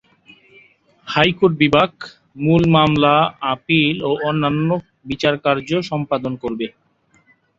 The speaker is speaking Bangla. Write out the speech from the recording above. হাইকোর্ট বিভাগ মূল মামলা, আপীল ও অন্যান্য বিচারকার্য সম্পাদন করবে।